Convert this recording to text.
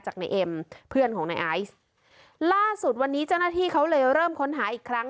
ในเอ็มเพื่อนของนายไอซ์ล่าสุดวันนี้เจ้าหน้าที่เขาเลยเริ่มค้นหาอีกครั้ง